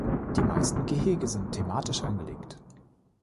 Die meisten Gehege sind thematisch angelegt.